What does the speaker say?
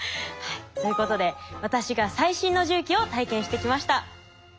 ということで私が最新の重機を体験してきました。